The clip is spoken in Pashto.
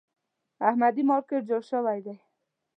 احمدي مارکېټ جوړ شوی دی.